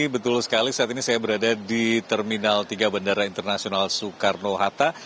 betul sekali saat ini saya berada di terminal tiga bandara internasional soekarno hatta